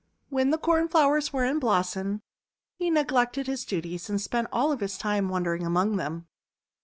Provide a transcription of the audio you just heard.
When the Cornflowers were in blossom, he neglected his duties, and spent all his time wandering among them.